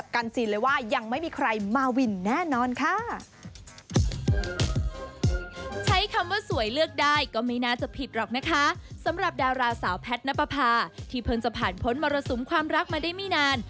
ค่ะที่เพิ่งจะผ่านพ้นมารสุมความรักมาได้ไม่นาน